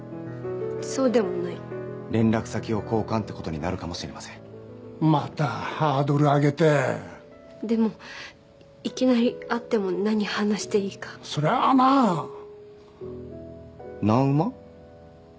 そうでもない連絡先を交換ってことになるかもしれませんまたハードル上げてでもいきなり会っても何話していいかそりゃあなあナンウマ？